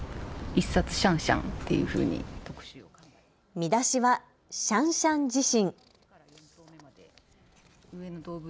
見出しはシャンシャン自身。